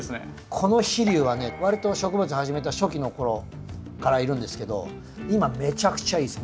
この飛竜はねわりと植物始めた初期の頃からいるんですけど今めちゃくちゃいいです。